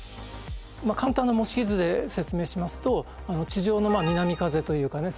まあ簡単な模式図で説明しますと地上の南風というかね